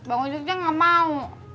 bang ojaknya nggak mau